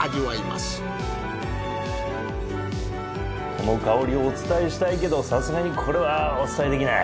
この香りをお伝えしたいけどさすがにこれはお伝えできない。